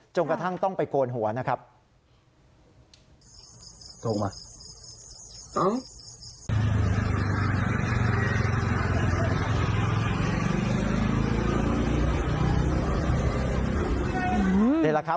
กระทั่งต้องไปโกนหัวนะครับ